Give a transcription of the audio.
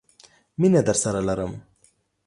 مينه درسره لرم.